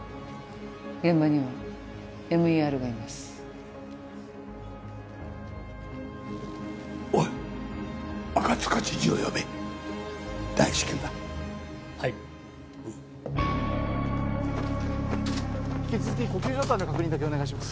現場にはＭＥＲがいますおい赤塚知事を呼べ大至急だはいうん引き続き呼吸状態の確認だけお願いします